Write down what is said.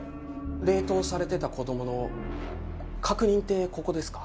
冷凍されてた子供の確認ってここですか？